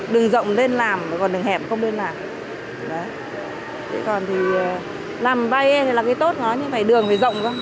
đường rộng nên làm mà còn đường hẹp không nên làm đấy còn thì làm barrier thì là cái tốt nó nhưng mà đường phải rộng thôi